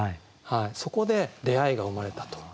そこで出会いが生まれたと。